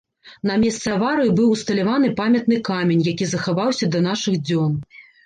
На месцы аварыі быў усталяваны памятны камень, які захаваўся да нашых дзён.